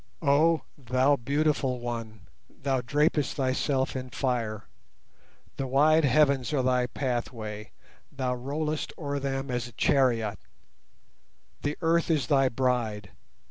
Oh, Thou beautiful one, Thou drapest thyself in fire. The wide heavens are thy pathway: thou rollest o'er them as a chariot. The Earth is thy bride.